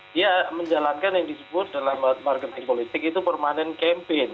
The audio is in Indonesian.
dia menjalankan yang disebut dalam marketing politik itu permanent campaign